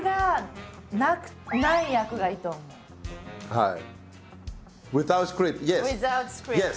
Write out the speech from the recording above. はい。